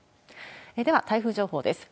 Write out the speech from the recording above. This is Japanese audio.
では、台風情報です。